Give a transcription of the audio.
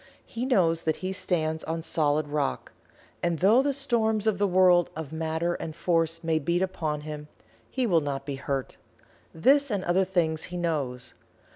He knows that he stands on solid rock, and though the storms of the world of matter and force may beat upon him, he will not be hurt. This and other things he knows.